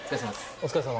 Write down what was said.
お疲れさま。